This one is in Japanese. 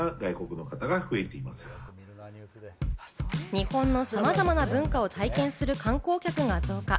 日本の様々な文化を体験する観光客が増加。